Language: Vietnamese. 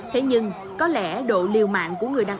thế nhưng có lẽ độ liều mạng của người đàn ông